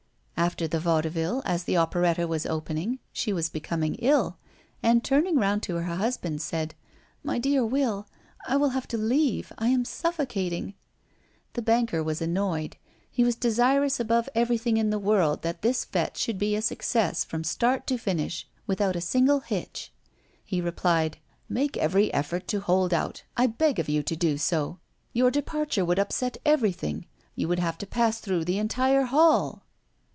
After the vaudeville, as the operetta was opening, she was becoming ill, and turning round to her husband, said: "My dear Will, I shall have to leave. I am suffocating!" The banker was annoyed. He was desirous above everything in the world that this fête should be a success, from start to finish, without a single hitch. He replied: "Make every effort to hold out. I beg of you to do so! Your departure would upset everything. You would have to pass through the entire hall!"